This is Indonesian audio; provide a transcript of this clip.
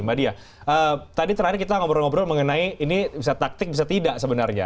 mbak dia tadi terakhir kita ngobrol ngobrol mengenai ini bisa taktik bisa tidak sebenarnya